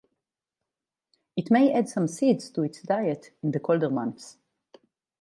It may add some seeds to its diet in the colder months.